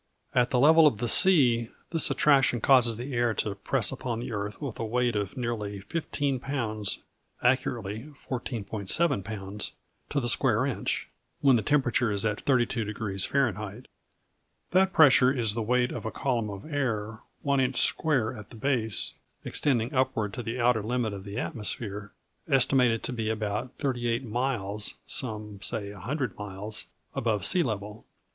At the level of the sea, this attraction causes the air to press upon the earth with a weight of nearly fifteen pounds (accurately, 14.7 lbs.) to the square inch, when the temperature is at 32° F. That pressure is the weight of a column of air one inch square at the base, extending upward to the outer limit of the atmosphere estimated to be about 38 miles (some say 100 miles) above sea level.